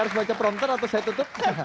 harus baca prompter atau saya tutup